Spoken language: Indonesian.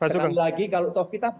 sekali lagi kalau kita